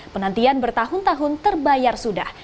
penantian bertahun tahun terbayar sudah